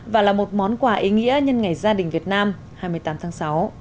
và là một món quà ý nghĩa nhân ngày gia đình việt nam hai mươi tám tháng sáu